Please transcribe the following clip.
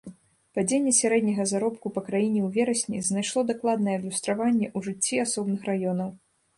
Падзенне сярэдняга заробку па краіне ў верасні знайшло дакладнае адлюстраванне ў жыцці асобных раёнаў.